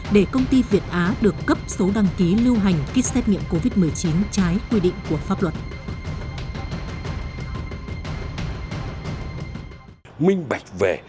để công ty việt á được cấp số đăng ký lưu hành kích xét nghiệm covid một mươi chín trái quy định của pháp luật